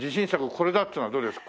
これだっていうのはどれですか？